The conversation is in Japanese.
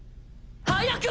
早く！